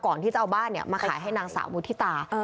ก่อนที่จะเอาบ้านมาขายให้นางสาวมุฒิตา